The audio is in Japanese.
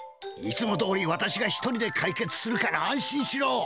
いつもどおりわたしが一人でかい決するから安心しろ。